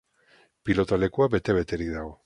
Pilotalekua bete-beterik dago.